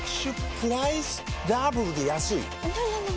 プライスダブルで安いＮｏ！